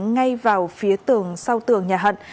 ngay vào phía tường sau tường nhà hận